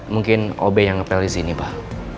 mungkin ob yang ngepel disini pak